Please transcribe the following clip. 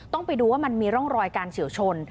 ต้องไปดูว่ามันมีร่องรอยการเฉียวชน